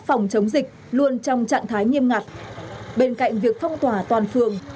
phòng chống dịch luôn trong trạng thái nghiêm ngặt bên cạnh việc phong tỏa toàn phường